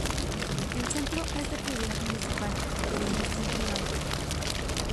El centro es de propiedad municipal pero de gestión privada.